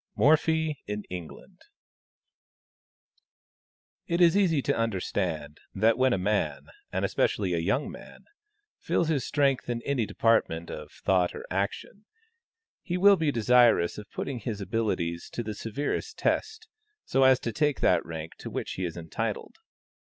MORPHY IN ENGLAND. It is easy to understand that when a man, and especially a young man, feels his strength in any department of thought or action, he will be desirous of putting his abilities to the severest test, so as to take that rank to which he is entitled.